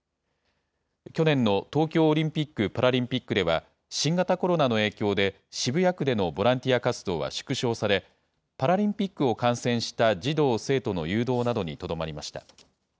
去年の東京オリンピック・パラリンピックでは、新型コロナの影響で、渋谷区でのボランティア活動は縮小され、パラリンピックを観戦した児童・生徒の誘導などにとどまりました。